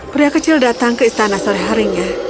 pria kecil datang ke istana sore harinya